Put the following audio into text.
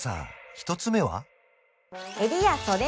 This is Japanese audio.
１つ目は？